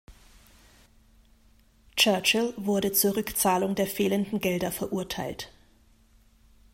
Churchill wurde zur Rückzahlung der fehlenden Gelder verurteilt.